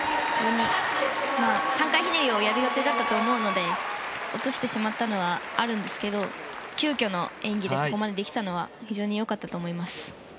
３回ひねりをやる予定だったと思うので落としてしまったのはあるんですけど急きょの演技でここまでできたのは非常に良かったと思います。